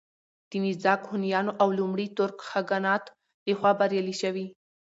د نېزاک هونيانو او لومړي تورک خاگانات له خوا بريالي شوي